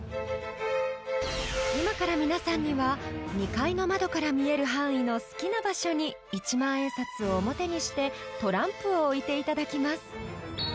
［今から皆さんには２階の窓から見える範囲の好きな場所に１万円札を表にしてトランプを置いていただきます］